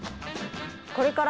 これから